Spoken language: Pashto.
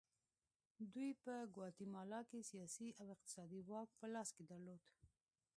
دوی په ګواتیمالا کې سیاسي او اقتصادي واک په لاس کې درلود.